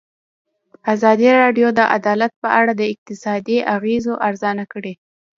ازادي راډیو د عدالت په اړه د اقتصادي اغېزو ارزونه کړې.